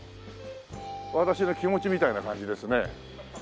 私の気持ちみたいな感じですね。